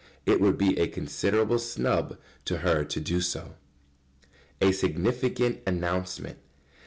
It would be a considerable "snub" to her to do so. [Sidenote: A significant announcement.